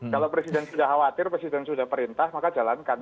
kalau presiden sudah khawatir presiden sudah perintah maka jalankan